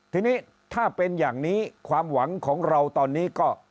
ทีนี้ถ้าเป็นอย่างนี้ความหวังของเราตอนนี้ก็